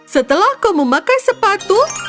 setelah kau memakai sepatu